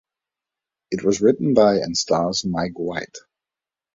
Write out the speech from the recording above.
It was written by and stars Mike White.